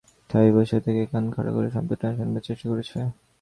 ঠায় বসে থেকে কান খাড়া করে শব্দটা আবার শুনবার চেষ্টা করেছে।